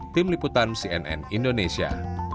tim liputan cnn indonesia